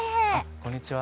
こんにちは。